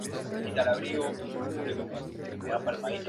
Así, cuando los indios oían los gritos, se escondían para salvarse.